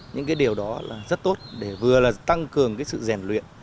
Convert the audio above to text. những điều đó rất tốt vừa là tăng cường sự rèn luyện